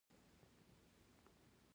هغوی یوځای د ځلانده باغ له لارې سفر پیل کړ.